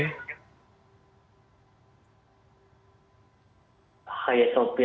mungkin sudah sejauh tahun ditutup karena pandemi